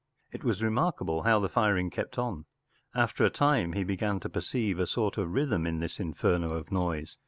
It was remark¬ able how the firing kept on. After a time he began to perceive a sort of rhythm in this inferno of noise.